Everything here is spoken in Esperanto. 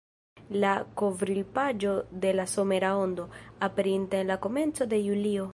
La kovrilpaĝo de la somera Ondo, aperinta en la komenco de julio.